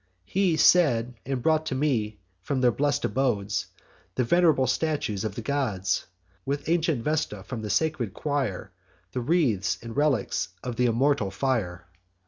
He said, and brought me, from their blest abodes, The venerable statues of the gods, With ancient Vesta from the sacred choir, The wreaths and relics of th' immortal fire.